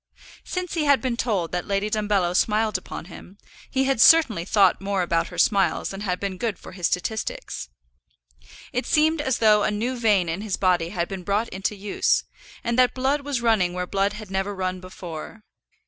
Since he had been told that Lady Dumbello smiled upon him, he had certainly thought more about her smiles than had been good for his statistics. It seemed as though a new vein in his body had been brought into use, and that blood was running where blood had never run before.